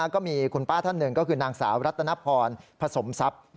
ก็มีคุณป้าท่านหนึ่งก็คือนางสาวรัตนพรผสมทรัพย์